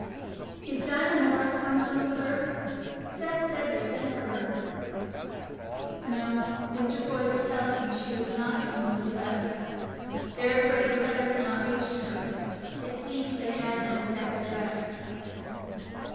"Is Dinah Morris come to 'em, sir? Seth said they'd sent for her." "No. Mr. Poyser tells me she was not come when he left. They're afraid the letter has not reached her. It seems they had no exact address."